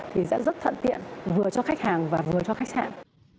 thì sẽ rất thận tiện vừa cho khách hàng và vừa cho khách sạn